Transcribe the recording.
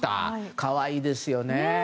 可愛いですよね。